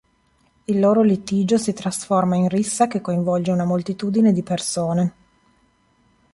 Il loro litigio si trasforma in rissa che coinvolge una moltitudine di persone.